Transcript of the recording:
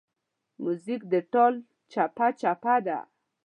موزیک د ټال چپهچپه ده.